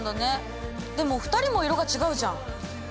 でも２人も色が違うじゃん。